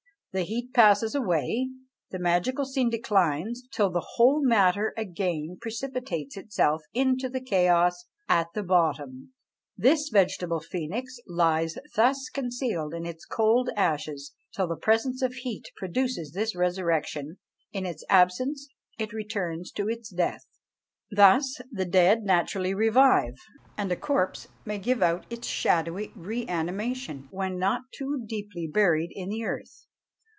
The heat passes away, the magical scene declines, till the whole matter again precipitates itself into the chaos at the bottom. This vegetable phoenix lies thus concealed in its cold ashes till the presence of heat produces this resurrection in its absence it returns to its death. Thus the dead naturally revive; and a corpse may give out its shadowy re animation when not too deeply buried in the earth.